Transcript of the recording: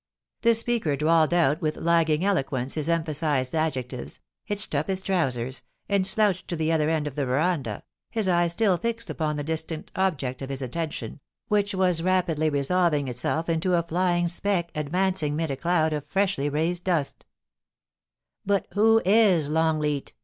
The speaker drawled out with lagging eloquence his emphasised adjectives, hitched up his trousers, and slouched to the other end of the verandah, his eyes still fixed upon the distant object of his attention, which was rapidly resolving itself into a flying speck advancing mid a cloud of freshly raised dust * But who is Longleat